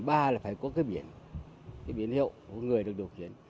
thứ là phải có cái biển cái biển hiệu của người được điều khiển